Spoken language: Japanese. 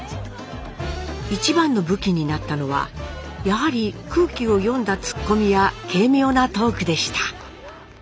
一番の武器になったのはやはり空気を読んだ突っ込みや軽妙なトークでした。